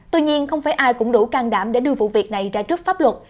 tuy nhiên không phải ai cũng đủ can đảm để đưa vụ việc này ra trước pháp luật